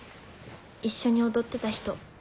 一緒に踊ってた人。